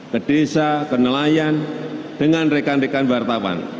ke desa ke nelayan dengan rekan rekan wartawan